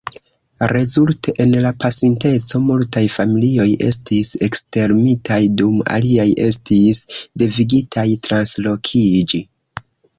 Rezulte, en la pasinteco, multaj familioj estis ekstermitaj, dum aliaj estis devigitaj translokiĝi.